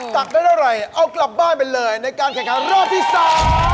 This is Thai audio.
ตักได้เท่าไหร่เอากลับบ้านไปเลยในการแข่งขันรอบที่สาม